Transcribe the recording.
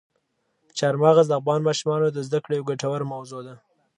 چار مغز د افغان ماشومانو د زده کړې یوه ګټوره موضوع ده.